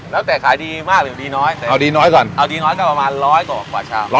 แล้วแต่ขายดีมากหรือดีน้อยแต่เอาดีน้อยก่อนเอาดีน้อยก็ประมาณร้อยกว่าชาม